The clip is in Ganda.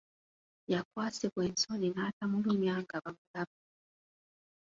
Yakwasibwa ensonyi n’atamulumya nga bamulaba.